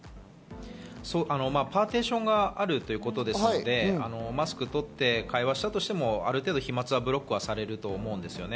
パーテーションがあるということですので、マスクを取って会話をしたとしても、ある程度飛沫がブロックされると思うんです。